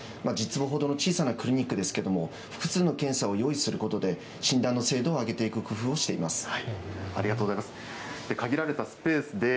１０坪ほどの小さなクリニックですけれども、複数の診査を用意することで、診断の精度を上げていく工夫をしてありがとうございます。